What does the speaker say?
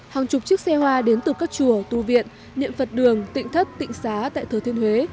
hàng chục chiếc xe hoa đến từ các chùa tu viện niệm phật đường tịnh thất tịnh xá tại thừa thiên huế